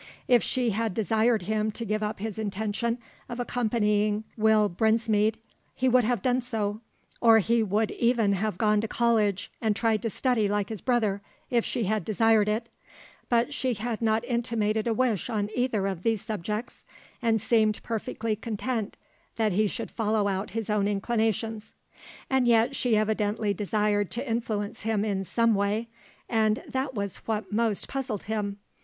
If she had desired him to give up his intention of accompanying Will Brinsmead, he would have done so, or he would even have gone to college, and tried to study like his brother, if she had desired it; but she had not intimated a wish on either of these subjects, and seemed perfectly content that he should follow out his own inclinations. And yet she evidently desired to influence him in some way, and that was what most puzzled him.